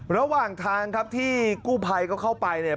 ระหว่างทางครับที่กู้ภัยก็เข้าไปเนี่ย